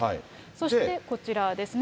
そしてこちらですね。